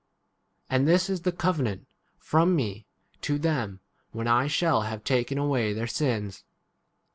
And this is the cove nant from me, to them, when I shall have taken away their sins.